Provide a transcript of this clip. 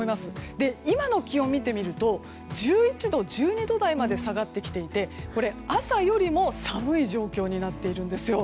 今の気温を見てみると１１度、１２度台まで下がってきていて朝よりも寒い状況になっているんですよ。